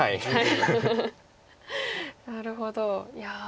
なるほどいや。